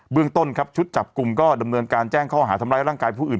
เรื่องต้นครับชุดจับกลุ่มก็ดำเนินการแจ้งข้อหาทำร้ายร่างกายผู้อื่น